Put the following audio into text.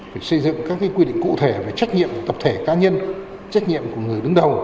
phải xây dựng các quy định cụ thể về trách nhiệm của tập thể cá nhân trách nhiệm của người đứng đầu